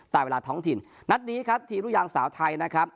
ตามเวลาท้องถิ่นนัดนี้ครับทีมลูกยางสาวไทยนะครับ